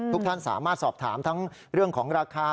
ท่านสามารถสอบถามทั้งเรื่องของราคา